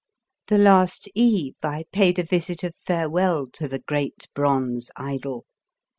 The last eve I paid a visit of farewell to the great bronze idol.